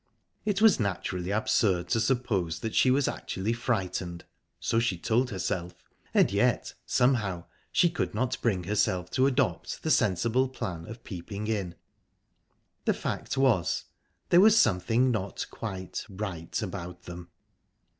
It was naturally absurd to suppose that she was actually frightened so she told herself and yet, somehow, she could not bring herself to adopt the sensible plan of peeping in...The fact was, there was something not quite right about them.